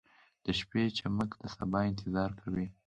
• د شپې چمک د سبا انتظار کوي.